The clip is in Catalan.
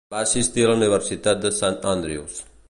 Va assistir a la Universitat de Sant Andrews.